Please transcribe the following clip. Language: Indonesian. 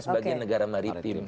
sebagai negara maritim